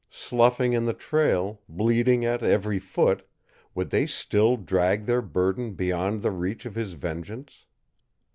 Sloughing in the trail, bleeding at every foot, would they still drag their burden beyond the reach of his vengeance?